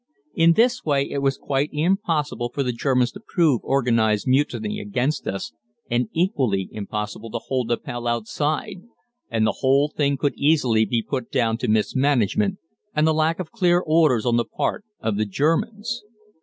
In this way it was quite impossible for the Germans to prove organized mutiny against us, and equally impossible to hold Appell outside and the whole thing could easily be put down to mismanagement and the lack of clear orders on the part of the Germans.